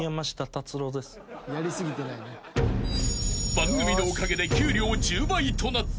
［番組のおかげで給料１０倍となったが］